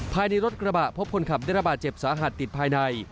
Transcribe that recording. ภายในรถกระบะพบคนขับได้ระบาดเจ็บสาหัสติดภายใน